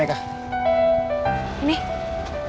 sekarang itu berhasil